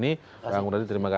terima kasih bang murady